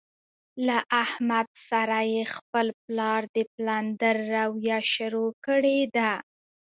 له احمد سره یې خپل پلار د پلندر رویه شروع کړې ده.